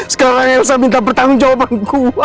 sekarang elsa minta bertanggung jawaban gua